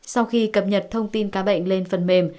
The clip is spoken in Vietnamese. sau khi cập nhật thông tin cá bệnh lên phần mềm